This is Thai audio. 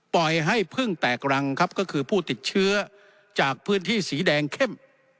ปล่อยให้พึ่งแตกรังครับก็คือผู้ติดเชื้อจากพื้นที่สีแดงเข้ม